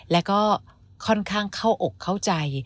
แล้วก็ค่อนข้างเข้าอกเข้าใจ